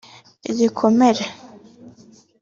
Igikomere